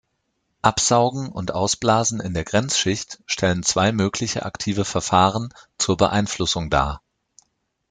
Absaugen und Ausblasen in der Grenzschicht stellen zwei mögliche aktive Verfahren zur Beeinflussung dar.